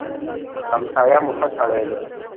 همسايه مو ښه سړی دی.